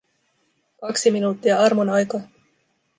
Kaksi minuuttia armon aikaa.